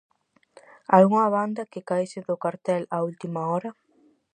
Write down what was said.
Algunha banda que caese do cartel a última hora?